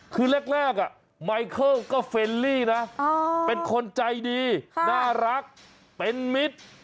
คือแรกไมเคิลก็เฟลลี่นะเป็นคนใจดีน่ารักเป็นมิตร